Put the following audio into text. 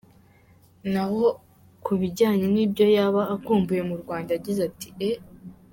Naho kubijyanye nibyo yaba akumbuye mu Rwanda yagize ati”Eeeh.